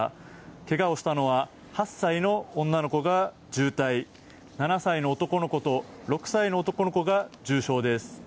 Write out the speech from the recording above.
けがをしたのは８歳の女の子が重体７歳の男の子と６歳の男の子が重傷です。